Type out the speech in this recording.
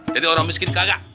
jadi orang miskin kagak